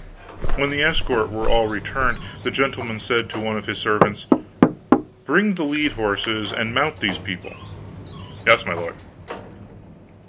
When the escort were all returned, the gentleman said to one of his servants: "Bring the led horses and mount these people." "Yes, my lord."